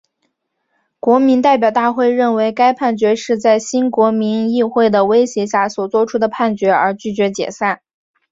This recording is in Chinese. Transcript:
国民代表大会认为该判决是在新国民议会的威胁下所做出的判决而拒绝解散。